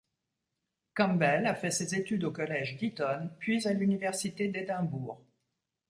Campbell a fait ses études au Collège d'Eton, puis à l'Université d'Édimbourg.